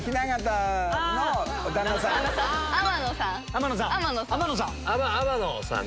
天野さん。